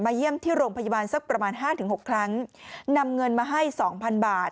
เยี่ยมที่โรงพยาบาลสักประมาณห้าถึงหกครั้งนำเงินมาให้สองพันบาท